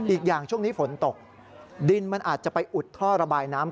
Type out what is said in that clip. อีกอย่างช่วงนี้ฝนตกดินมันอาจจะไปอุดท่อระบายน้ำ